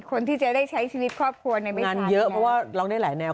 คนที่จะได้ใช้ชีวิตครอบครัวในงานเยอะเพราะว่าร้องได้หลายแนว